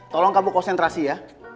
tolong kamu konsentrasi ya